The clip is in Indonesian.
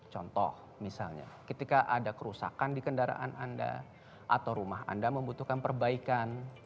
contoh misalnya ketika ada kerusakan di kendaraan anda atau rumah anda membutuhkan perbaikan